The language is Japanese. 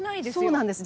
そうなんです。